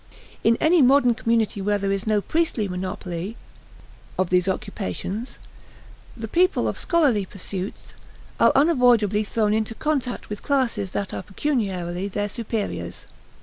In any modern community where there is no priestly monopoly of these occupations, the people of scholarly pursuits are unavoidably thrown into contact with classes that are pecuniarily their superiors.